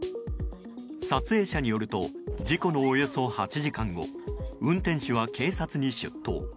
撮影者によると事故のおよそ８時間後運転手は警察に出頭。